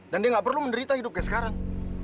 dan dia nggak perlu menderita hidup kayak sekarang